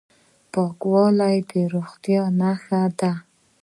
پاکوالی د روغتیا نښه ده.